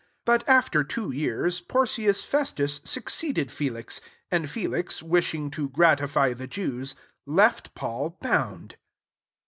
27 But after two years Porcius Festus succeeded Felix; and Felix, wishing to gratify the Jews, left Paul bound.